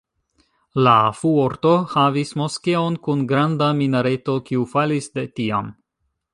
La Fuorto havis moskeon kun granda minareto kiu falis de tiam.